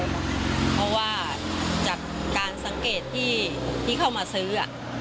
คนพื้นที่เพราะว่าอะไรคะเพราะว่าจากการสังเกตที่เข้ามาซื้อ